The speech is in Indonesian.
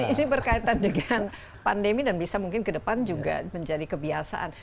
ini berkaitan dengan pandemi dan bisa mungkin ke depan juga menjadi kebiasaan